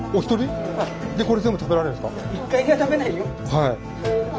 はい。